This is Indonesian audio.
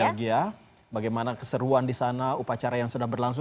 bahagia bagaimana keseruan di sana upacara yang sedang berlangsung